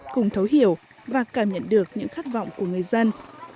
cùng thấu hiểu và cảm nhận được những khát vọng của người dân